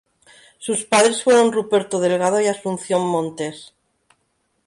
Sus padres fueron Ruperto Delgado y Asunción Montes.